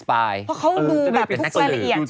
เพราะเค้ารู้แบบพวกในละเอียด